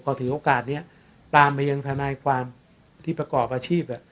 พอถือโอกาสนี้ตามไปยังทนายความที่ประกอบอาชีพ